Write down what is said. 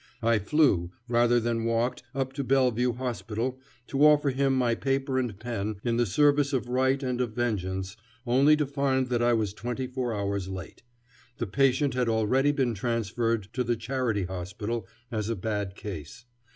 I flew rather than walked up to Bellevue Hospital to offer him my paper and pen in the service of right and of vengeance, only to find that I was twenty four hours late. The patient had already been transferred to the Charity Hospital as a bad case.